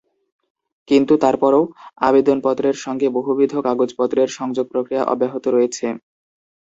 কিন্তু তারপরও আবেদনপত্রের সঙ্গে বহুবিধ কাগজপত্রের সংযোগ প্রক্রিয়া অব্যাহত রয়েছে।